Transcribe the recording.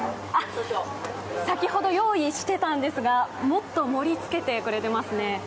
先ほど用意していたんですがもっと盛りつけてくれてますね。